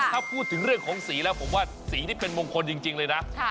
ถ้าพูดถึงเรื่องของสีแล้วผมว่าสีนี่เป็นมงคลจริงเลยนะ